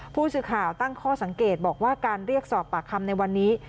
ผู้สื่อข่าวตั้งข้อสังเกตบอกว่าการเรียกสอบปากคำในวันนี้